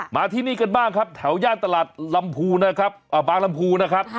มาที่นี่กันบ้างครับแถวย่านตลาดบ้านลำพูนะครับ